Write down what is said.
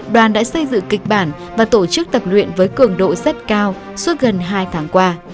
đoàn đã xây dựng kịch bản và tổ chức tập luyện với cường độ rất cao suốt gần hai tháng qua